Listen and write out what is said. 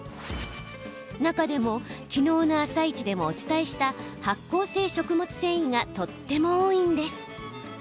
中でも、きのうの「あさイチ」でもお伝えした発酵性食物繊維がとっても多いんです。